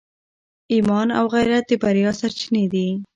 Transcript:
ایمان او غیرت د بریا سرچینې دي.